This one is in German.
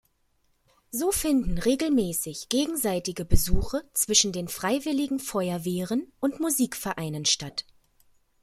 So finden regelmäßig gegenseitige Besuche zwischen den Freiwilligen Feuerwehren und Musikvereinen statt.